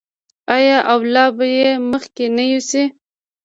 آیا او لا به یې مخکې نه یوسي؟